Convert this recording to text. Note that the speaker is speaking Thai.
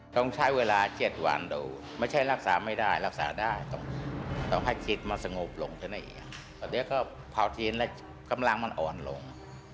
ตอนเดียวก็เผ่าเทียนแล้วกลางมันอ่อนลง